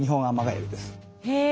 へえ。